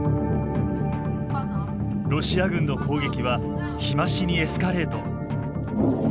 ロシア軍の攻撃は日増しにエスカレート。